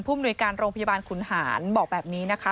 มนุยการโรงพยาบาลขุนหารบอกแบบนี้นะคะ